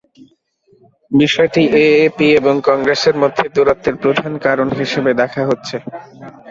বিষয়টি এএপি এবং কংগ্রেসের মধ্যে দূরত্বের প্রধান কারণ হিসেবে দেখা হচ্ছে।